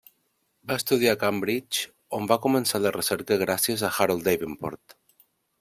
Va estudiar a Cambridge, on va començar la recerca gràcies a Harold Davenport.